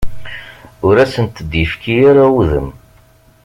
Ur asent-d-yefki ara udem.